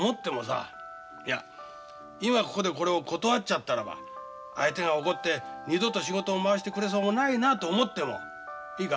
いや今ここでこれを断っちゃったらば相手が怒って二度と仕事を回してくれそうもないなと思ってもいいか？